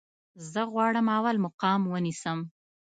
زه غواړم اول مقام ونیسم